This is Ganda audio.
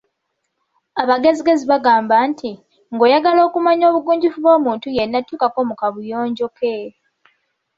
Abagezigezi bagamba nti, ng‘oyagala okumanya obugunjufu bw‘omuntu yenna tuukako mu kabuyonjo ke.